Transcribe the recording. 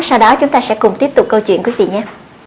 sau đó chúng ta sẽ cùng tiếp tục câu chuyện quý vị nhé